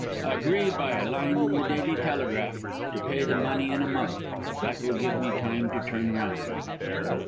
Agree, by a line in the Daily Telegraph, to pay the money in a month. That will give me time to turn round."